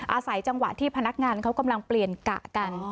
อาศัยจังหวะที่พนักงานเขากำลังเปลี่ยนกะกัน